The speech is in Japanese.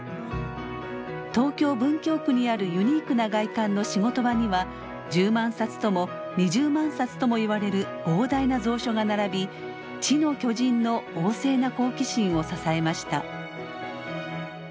東京・文京区にあるユニークな外観の仕事場には１０万冊とも２０万冊ともいわれる膨大な蔵書が並び知の巨人の旺盛な好奇心を支えました。